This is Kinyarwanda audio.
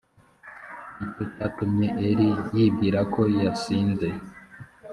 ni cyo cyatumye eli yibwira ko yasinze